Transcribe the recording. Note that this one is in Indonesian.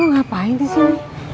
lu ngapain disini